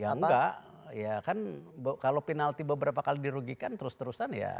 ya enggak ya kan kalau penalti beberapa kali dirugikan terus terusan ya